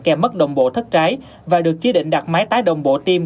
kèm mất đồng bộ thất trái và được chế định đặt máy tái đồng bộ tim